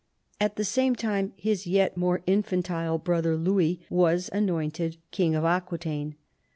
At the same time his yet more infantile brother, Louis, was anointed King of Aquitaine.